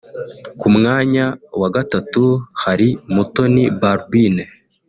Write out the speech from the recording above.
Ku mwanya wa gatatu hari Mutoni Balbine